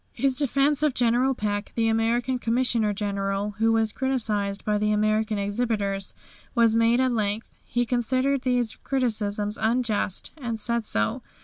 His defence of General Peck, the American Commissioner General, who was criticised by the American exhibitors, was made at length. He considered these criticisms unjust, and said so.